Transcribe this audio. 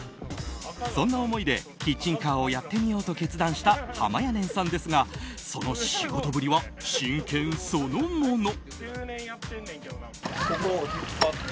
そんな思いでキッチンカーをやってみようと決断したはまやねんさんですがその仕事ぶりは真剣そのもの。